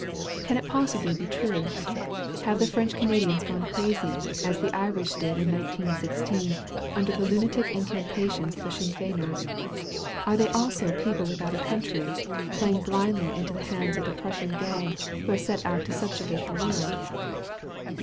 Can it possibly be true? Have the French Canadians gone crazy, as the Irish did in 1916, under the lunatic incantations of the Sinn Feiners ? Are they also people without a coun try, playing blindly into the hands of the Prussian gang who have set out to subjugate the world?